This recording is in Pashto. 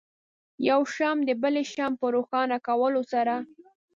یو شمع د بلې شمعې په روښانه کولو سره.